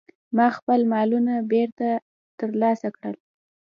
ما خپل مالونه بیرته ترلاسه کړل.